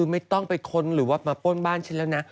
ไม่ต้องไปค้นหรือว่ามาป้นบ้านฉันแล้วนะ